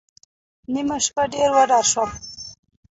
نیمه شپه ډېر وډار شوم.